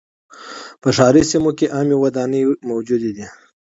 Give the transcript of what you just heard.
په ښاري سیمو کې عامه ودانۍ موجودې وې.